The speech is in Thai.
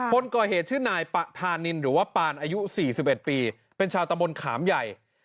คนก่อเหตุชื่อนายปะธานินหรือว่าปานอายุ๔๑ปีเป็นชาวตำบลขามใหญ่